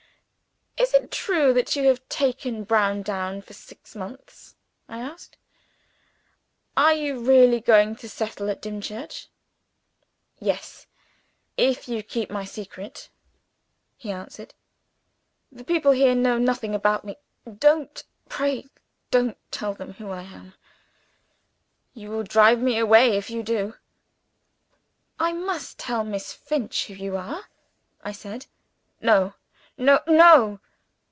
"Is it true that you have taken Browndown for six months?" I asked. "Are you really going to settle at Dimchurch?" "Yes if you keep my secret," he answered. "The people here know nothing about me. Don't, pray don't, tell them who I am! You will drive me away, if you do." "I must tell Miss Finch who you are," I said. "No! no! no!"